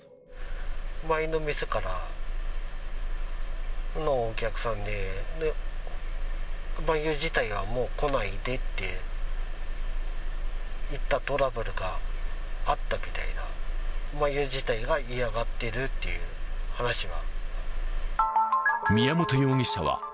前の店からのお客さんで、まゆ自体がもう来ないでって言ったトラブルがあったみたいな、まゆ自体が嫌がってるっていう話が。